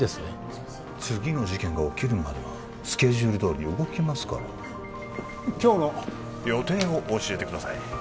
はいもしもし次の事件が起きるまではスケジュールどおり動きますからはい今日の予定を教えてください